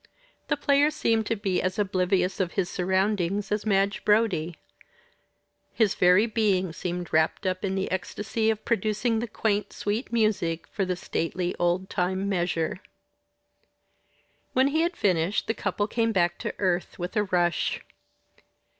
The player seemed to be as oblivious of his surroundings as Madge Brodie his very being seemed wrapped up in the ecstasy of producing the quaint, sweet music for the stately old time measure. When he had finished, the couple came back to earth, with a rush.